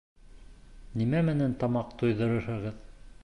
Нимә менән тамаҡ туйҙырырһығыҙ?